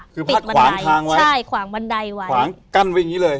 คือปิดบันไดขวางไว้ใช่ขวางบันไดไว้ขวางกั้นไว้อย่างนี้เลย